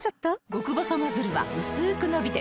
極細ノズルはうすく伸びて